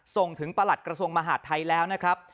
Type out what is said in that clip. ส่งถึงประหลัดกระทรวงมหาดไทยแล้วนะครับ